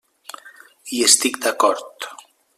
Hi estic d'acord.